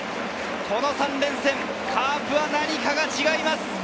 この３連戦、カープは何かが違います！